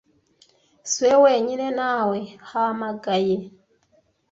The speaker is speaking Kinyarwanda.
siwe wenyine nawehamagaye.